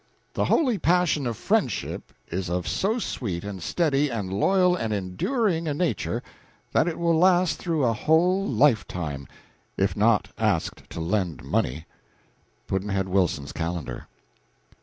The holy passion of Friendship is of so sweet and steady and loyal and enduring a nature that it will last through a whole lifetime, if not asked to lend money. Pudd'nhead Wilson's Calendar.